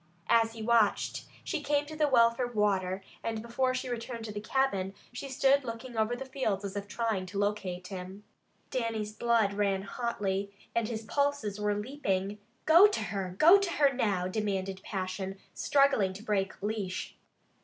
As he watched she came to the well for water and before she returned to the cabin she stood looking over the fields as if trying to locate him. Dannie's blood ran hotly and his pulses were leaping. "Go to her! Go to her now!" demanded passion, struggling to break leash.